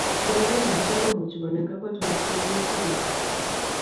kibagenge nitok komuchi konem kabwatut ne tinye kimnatet neo